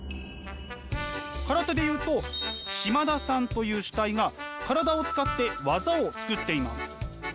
空手で言うと嶋田さんという主体が体を使って技を作っています。